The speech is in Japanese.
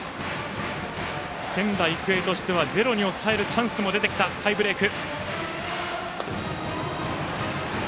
仙台育英としてはゼロに抑えるチャンスも出てきたタイブレーク。